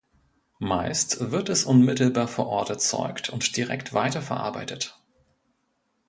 Meist wird es unmittelbar vor Ort erzeugt und direkt weiterverarbeitet.